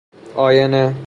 آینه